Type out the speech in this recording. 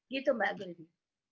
gitu mbak gleby